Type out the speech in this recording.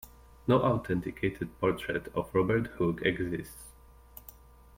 No authenticated portrait of Robert Hooke exists.